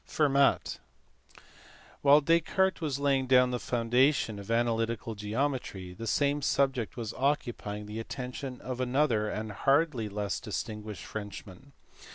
Fennat. While Descartes was laying the foundations of analytical geometry, the same subject was occupying the attention of another and hardly less distinguished Frenchman.